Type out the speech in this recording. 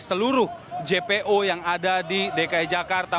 seluruh jpo yang ada di dki jakarta